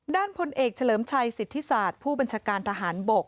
พลเอกเฉลิมชัยสิทธิศาสตร์ผู้บัญชาการทหารบก